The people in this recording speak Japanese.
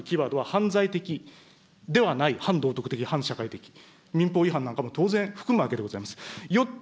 ここでも同じくキーワードは犯罪的ではない、反道徳的、反社会的、民法違反なんかも当然含むわけでございます。